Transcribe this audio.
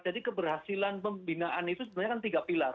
jadi keberhasilan pembinaan itu sebenarnya kan tiga pilar